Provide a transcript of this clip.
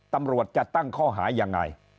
ตำรวจจะตั้งข้อหายังไง